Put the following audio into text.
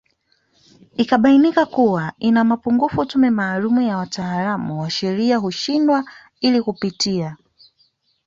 Ikibainika kuwa ina mapungufu tume maalumu ya wataalamu wa sheria huundwa ili kupitia